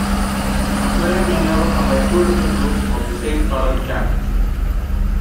A player may never combine two different groups of the same colored camels.